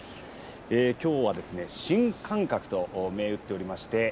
きょうは新感覚と銘打っておりまして